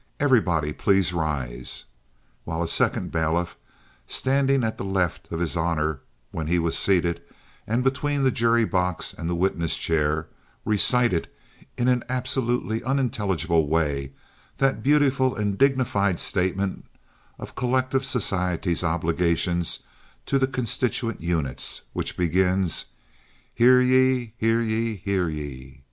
Everybody please rise," while a second bailiff, standing at the left of his honor when he was seated, and between the jury box and the witness chair, recited in an absolutely unintelligible way that beautiful and dignified statement of collective society's obligation to the constituent units, which begins, "Hear ye! hear ye! hear ye!"